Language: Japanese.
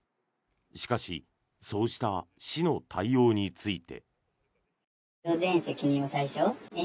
しかしそうした市の対応について。